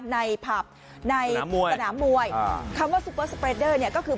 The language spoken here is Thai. ผับในสนามมวยคำว่าซุปเปอร์สเปรดเดอร์เนี่ยก็คือ